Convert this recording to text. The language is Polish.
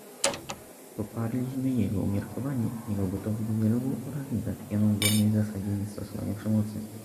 Poparliśmy jego umiarkowanie, jego gotowość do dialogu oraz niezachwianą wierność zasadzie niestosowania przemocy